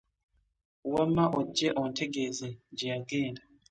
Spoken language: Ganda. Wamma ojje ontegeeze gye yagenda.